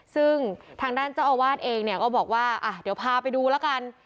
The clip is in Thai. ซึ่งทางด้านเจ้าอาวาสเองเนี่ยก็บอกว่าอ่ะเดี๋ยวพาไปดูแล้วกัน